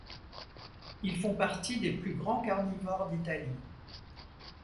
Ils font partie des plus grands carnivores d'Italie.